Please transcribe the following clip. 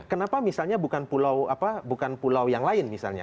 kenapa misalnya bukan pulau yang lain misalnya